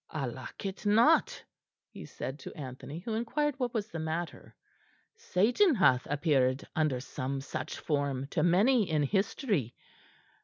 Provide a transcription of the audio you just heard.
"I like it not," he said to Anthony, who inquired what was the matter. "Satan hath appeared under some such form to many in history.